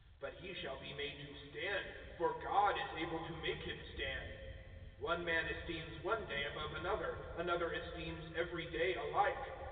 But he shall be made to stand; for God is able to make him stand. (5)One man esteems one day above another; another esteems every day alike.